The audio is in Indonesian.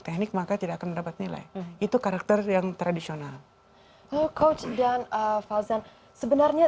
teknik maka tidak akan mendapat nilai itu karakter yang tradisional coach dan fauzan sebenarnya